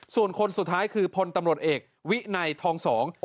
ส่วนคนสุดท้ายคือพลตำรวจเอกวินัยทองสอง